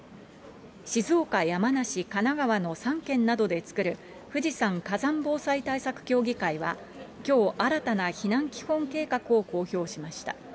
静岡、山梨、神奈川の３県などで作る富士山火山防災対策協議会は、きょう新たな避難基本計画を公表しました。